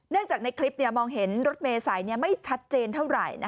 จากในคลิปมองเห็นรถเมษายไม่ชัดเจนเท่าไหร่